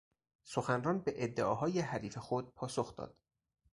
سخنران به ادعاهای حریف خود پاسخ داد.